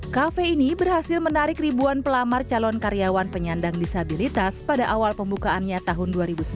kafe ini berhasil menarik ribuan pelamar calon karyawan penyandang disabilitas pada awal pembukaannya tahun dua ribu sembilan belas